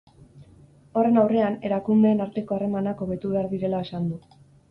Horren aurrean, erakundeen arteko harremanak hobetu behar direla esan du.